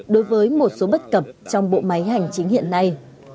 đối với một số bất cập trong bộ máy hành chính hiện nay